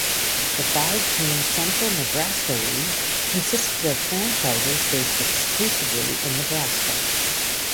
The five–team Central Nebraska League consisted of franchises based exclusively in Nebraska.